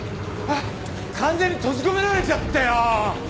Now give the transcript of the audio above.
完全に閉じ込められちゃったよ。